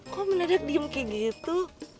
kok mendadak diem kayak gitu